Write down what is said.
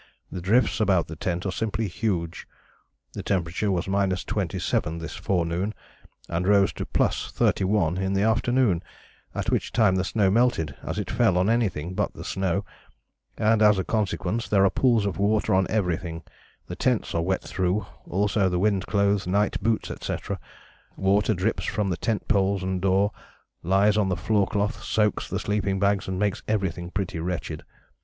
The drifts about the tents are simply huge. The temperature was 27° this forenoon, and rose to +31° in the afternoon, at which time the snow melted as it fell on anything but the snow, and, as a consequence, there are pools of water on everything, the tents are wet through, also the wind clothes, night boots, etc.; water drips from the tent poles and door, lies on the floor cloth, soaks the sleeping bags, and makes everything pretty wretched.